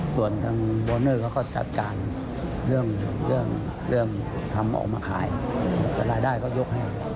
ส่วนทางบอเนอร์เขาก็จัดการเรื่องทำออกมาขายแต่รายได้ก็ยกให้